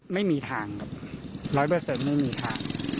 ไม่มีทางครับร้อยเปอร์เซ็นต์ไม่มีทาง